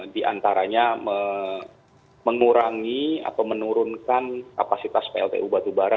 di antaranya mengurangi atau menurunkan kapasitas pltu batu bara